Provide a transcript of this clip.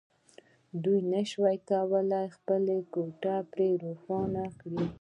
دوی نشوای کولای خپله کوټه پرې روښانه کړي